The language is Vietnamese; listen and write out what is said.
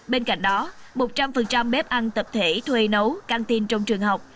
bên cạnh đó một trăm linh bếp ăn tập thể thuê nấu căng tin trong trường học